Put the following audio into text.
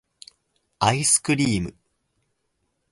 アイスクリーム